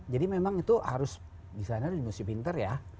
jadi memang itu harus designer itu harus pinter ya